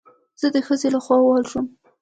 زه د ښځې له خوا ووهل شوم